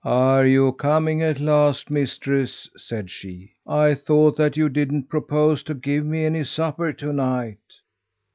"Are you coming at last, mistress?" said she. "I thought that you didn't propose to give me any supper to night."